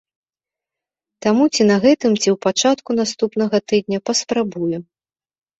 Таму ці на гэтым, ці ў пачатку наступнага тыдня паспрабую.